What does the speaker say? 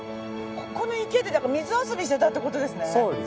ここの池で水遊びしてたって事ですね。